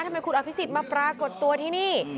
ทำไมคุณอภิษฎมาปรากฏตัวที่นี่